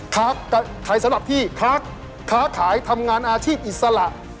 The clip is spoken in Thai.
ค้าขายสำหรับที่ค้าขายทำงานอาชีพอิสระ